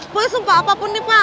serem apa pun nih pah